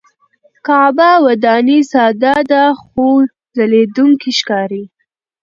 کعبه وداني ساده ده خو ځلېدونکې ښکاري.